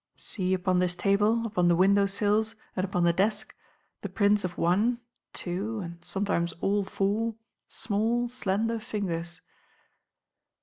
See upon this table, upon the window sills, and upon the desk, the prints of one, two, and sometimes all four, small slender fingers."